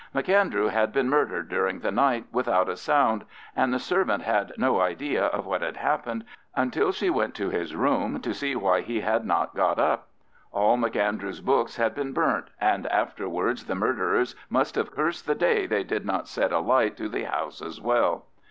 M'Andrew had been murdered during the night without a sound, and the servant had no idea of what had happened until she went to his room to see why he had not got up. All M'Andrew's books had been burnt, and afterwards the murderers must have cursed the day they did not set a light to the house as well.